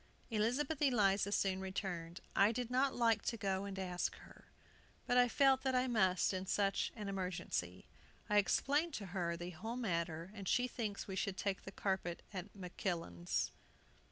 Elizabeth Eliza soon returned. "I did not like to go and ask her. But I felt that I must in such an emergency. I explained to her the whole matter, and she thinks we should take the carpet at Makillan's."